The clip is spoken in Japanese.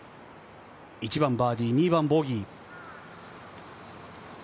１番、バーディー、２番、ボギー。